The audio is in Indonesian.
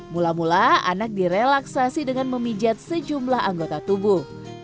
mula mula anak direlaksasi dengan memijat sejumlah anggota tubuh